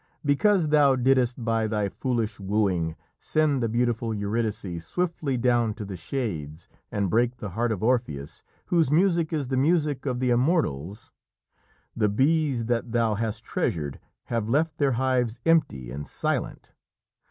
Because thou didst by thy foolish wooing send the beautiful Eurydice swiftly down to the Shades and break the heart of Orpheus, whose music is the music of the Immortals, the bees that thou hast treasured have left their hives empty and silent.